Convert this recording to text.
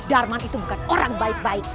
darman itu bukan orang baik baik